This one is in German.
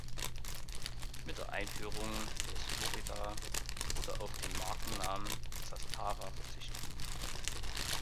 Mit der Einführung des Florida wurde auf den Markennamen Zastava verzichtet.